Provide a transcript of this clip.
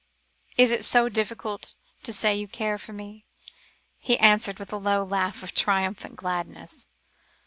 "Is it so difficult to say you care for me," he answered, with a low laugh of triumphant gladness.